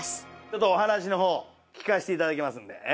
ちょっとお話のほう聞かしていただきますんで。